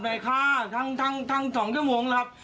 ถ้าข้าง๒ชั่วโมงครับ